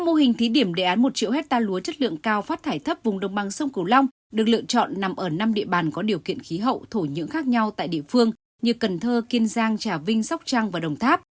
năm mô hình thí điểm đề án một triệu hectare lúa chất lượng cao phát thải thấp vùng đồng bằng sông cửu long được lựa chọn nằm ở năm địa bàn có điều kiện khí hậu thổ nhưỡng khác nhau tại địa phương như cần thơ kiên giang trà vinh sóc trăng và đồng tháp